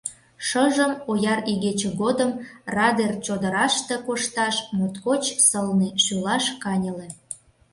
Шыжым, ояр игече годым, радер чодыраште кошташ моткоч сылне, шӱлаш каньыле.